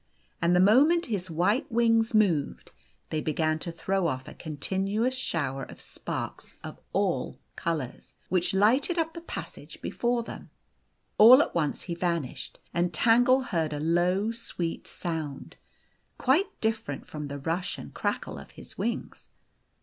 And the moment his white wings moved, they began to throw off a continuous shower of sparks of all colours, which lighted up the passage be fore them. All at once he vanished, and Tangle heard a low, sweet sound, quite different from the rush and crackle of his wings.